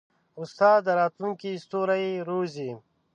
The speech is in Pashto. استاد د راتلونکي ستوري روزي.